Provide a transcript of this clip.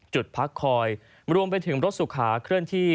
จุดพักคอยรวมไปถึงรถสุขาเคลื่อนที่